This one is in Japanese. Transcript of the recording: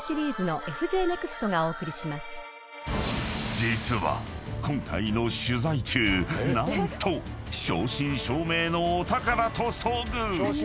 ［実は今回の取材中何と正真正銘のお宝と遭遇］